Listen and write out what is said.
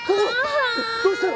どうしたの！？